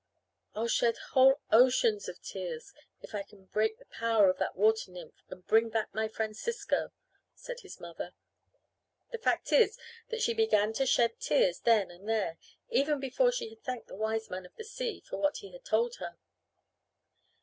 "I'll shed whole oceans of tears if I can break the power of that water nymph and bring back my Francisco," said his mother. The fact is that she began to shed tears then and there, even before she had thanked the Wiseman of the Sea for what he had told her.